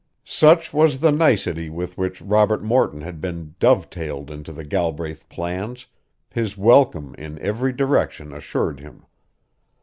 Such was the nicety with which Robert Morton had been dovetailed into the Galbraith plans, his welcome in every direction assured him.